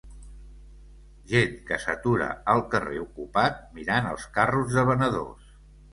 Gent que s'atura al carrer ocupat mirant els carros de venedors.